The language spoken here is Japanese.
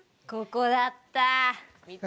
ここだったぁ！